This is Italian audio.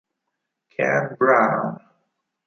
Ken Brown